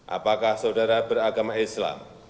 apakah saudara beragama islam